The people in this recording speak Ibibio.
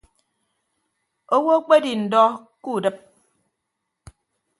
Owo akpedi ndọ kudịp.